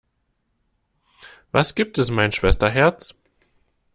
Was gibt es, mein Schwesterherz?